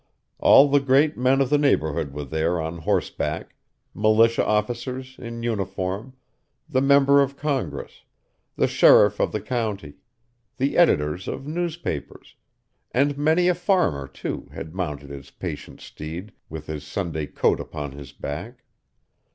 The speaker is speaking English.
All the great men of the neighborhood were there on horseback; militia officers, in uniform; the member of Congress; the sheriff of the county; the editors of newspapers; and many a farmer, too, had mounted his patient steed, with his Sunday coat upon his back.